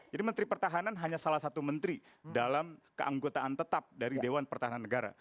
jadi menteri pertahanan hanya salah satu menteri dalam keanggotaan tetap dari dewan pertahanan negara